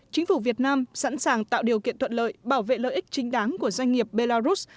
chính phủ việt nam sẵn sàng tạo điều kiện thuận lợi bảo vệ lợi ích chính đáng của doanh nghiệp belarus